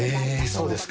そうですか。